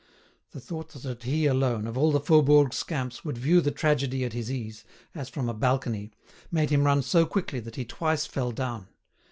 The thought that he alone, of all the Faubourg scamps, would view the tragedy at his ease, as from a balcony, made him run so quickly that he twice fell down.